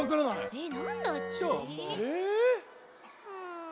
えっ！